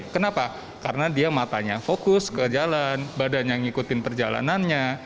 kenapa karena dia matanya fokus ke jalan badannya ngikutin perjalanannya